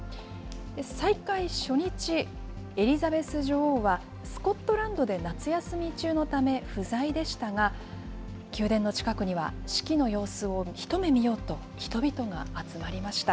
再開初日、エリザベス女王はスコットランドで夏休み中のため不在でしたが、宮殿の近くには式の様子を一目見ようと、人々が集まりました。